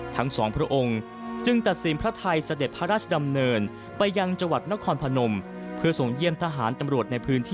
ทั้งสองพระองค์จึงตัดสินพระทัยสเด็จพระราชดำเนิน